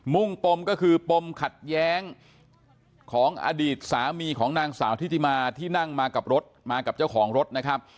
่งปมก็คือปมขัดแย้งของอดีตสามีของนางสาวทิติมาที่นั่งมากับรถมากับเจ้าของรถนะครับ